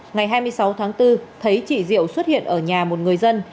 ngày hai mươi sáu tháng bốn thấy chị diệu xuất hiện ở nhà một người dân